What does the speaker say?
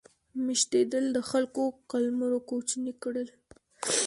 میشتېدل د خلکو قلمرو کوچني کړل.